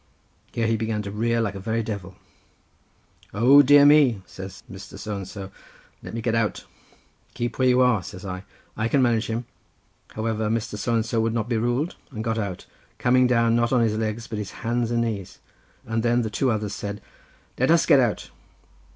Here he began to rear like a very devil. "'O dear me!' says Mr. So and so; 'let me get out!' "'Keep where you are,' says I, 'I can manage him.' "However, Mr. So and so would not be ruled, and got out; coming down, not on his legs, but his hands and knees. And then the two others said— "'Let us get out!